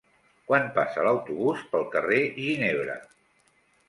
Quan passa l'autobús pel carrer Ginebra?